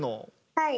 はい。